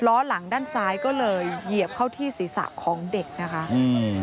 ล้อหลังด้านซ้ายก็เลยเหยียบเข้าที่ศีรษะของเด็กนะคะอืม